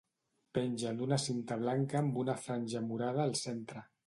Penja d'una cinta blanca amb una franja morada al centre.